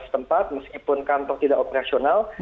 setempat meskipun kantor tidak operasional